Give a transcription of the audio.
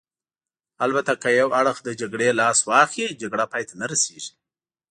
البته که یو اړخ له جګړې لاس واخلي، جګړه پای ته نه رسېږي.